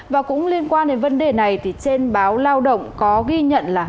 và cũng liên quan đến vấn đề này thì trên báo lao động có ghi nhận là